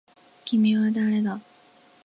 君は誰だ